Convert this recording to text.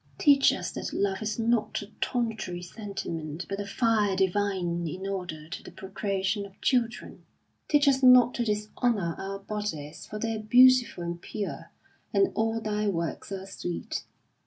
Teach us that love is not a tawdry sentiment, but a fire divine in order to the procreation of children; teach us not to dishonour our bodies, for they are beautiful and pure, and all thy works are sweet.